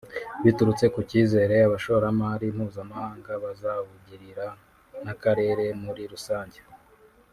biturutse ku cyizere abashoramari mpuzamahanga bazawugirira n’akarere muri rusange